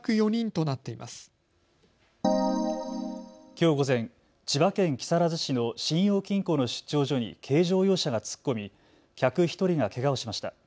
きょう午前、千葉県木更津市の信用金庫の出張所に軽乗用車が突っ込み客１人がけがをしました。